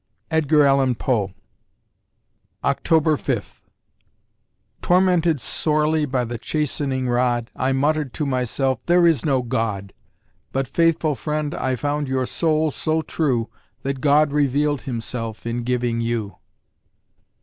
EDGAR ALLAN POE October Fifth Tormented sorely by the chastening rod, I muttered to myself: "There is no God!" But faithful friend, I found your soul so true, That God revealed Himself in giving you.